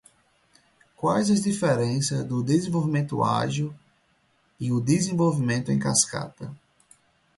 Quais as diferenças do desenvolvimento ágil e o desenvolvimento em cascata?